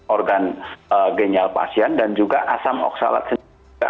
organ ginjal pasien dan juga asam oksalat sendiri